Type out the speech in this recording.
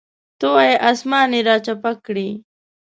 ته وایې اسمان یې راچپه کړی.